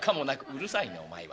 「うるさいねお前は」。